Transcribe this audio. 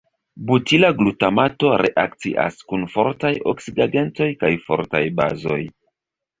Butila glutamato reakcias kun fortaj oksidigagentoj kaj fortaj bazoj.